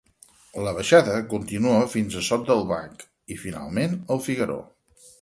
La baixada continua fins al Sot del Bac i finalment el Figaró.